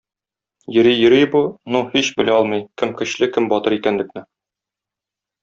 Йөри-йөри бу, ну һич белә алмый, кем көчле, кем батыр икәнлекне.